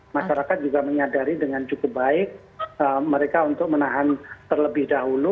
masyarakat juga menyadari dengan cukup baik mereka untuk menahan terlebih dahulu